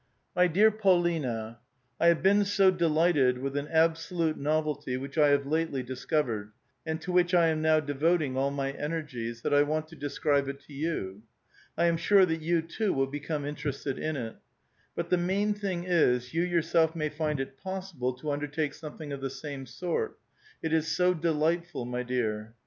My Dear Paulina, — I have been so delighted with an absolute novelty which I have lately discovered, and to which I am now devoting all my energies, that I want to describe it to you. I am sure that vou too will become interested in it. But the main thing is, you yourself may find it possible to undertake some thing of the siime sort. It is so delightful, my dear.